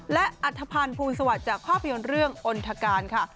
และอัธพันธ์ภูลสวัสดิ์จากภาพยนตร์เรื่องอนทการค่ะ